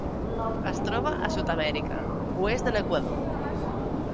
Es troba a Sud-amèrica: oest de l'Equador.